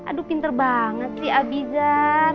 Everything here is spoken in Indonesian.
aduh pinter banget sih abiza